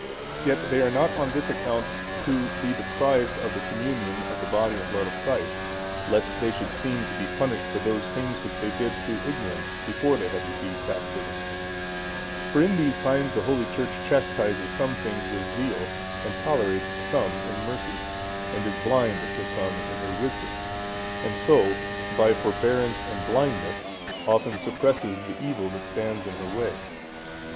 Yet they are not on this account to be deprived of the Communion of the Body and Blood of Christ, lest they should seem to be punished for those things which they did through ignorance before they had received Baptism. For in these times the Holy Church chastises some things with zeal, and tolerates some in mercy, and is blind to some in her wisdom, and so, by forbearance and blindness often suppresses the evil that stands in her way.